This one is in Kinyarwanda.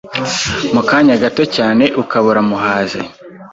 mu kanya gato cyane ukaba uramuhaze.